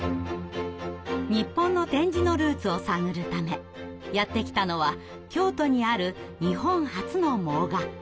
日本の点字のルーツを探るためやって来たのは京都にある日本初の盲学校。